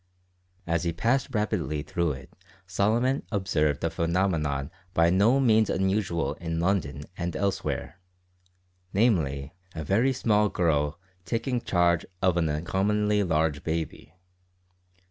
As he passed rapidly through it Solomon observed a phenomenon by no means unusual in London and elsewhere, namely, a very small girl taking charge of an uncommonly large baby.